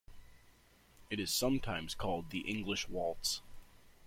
It is sometimes called the "English Waltz".